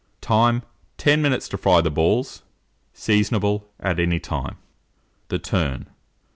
Time. 10 minutes to fry the balls. Seasonable at any time. THE TURN.